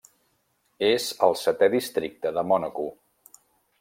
És el setè districte de Mònaco.